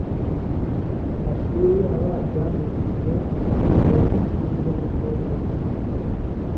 amashuri abanza nifuza kujya kwiga mu ishuri ry’abakobwa gusa,